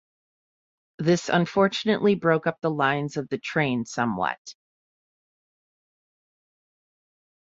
This unfortunately broke up the lines of the train somewhat.